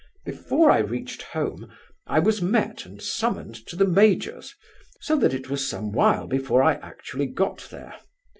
"Before I reached home I was met and summoned to the major's, so that it was some while before I actually got there.